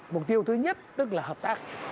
mục tiêu thứ nhất tức là hợp tác